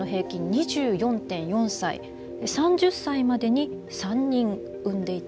３０歳までに３人産んでいた。